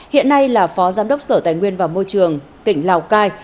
hiện nay là phó giám đốc sở tài nguyên và môi trường tỉnh lào cai